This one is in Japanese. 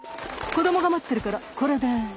子どもが待ってるからこれで。